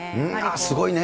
すごいね。